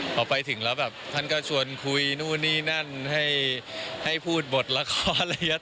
พอไปถึงแล้วแบบท่านก็ชวนคุยนู่นนี่นั่นให้พูดบทละครอะไรอย่างนี้